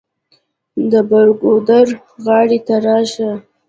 د بر ګودر غاړې ته راشه.